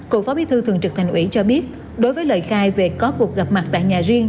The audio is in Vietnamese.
cựu phó bí thư thường trực thành ủy cho biết đối với lời khai về có cuộc gặp mặt tại nhà riêng